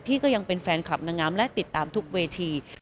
ก็ยังเป็นแฟนคลับนางงามและติดตามทุกเวที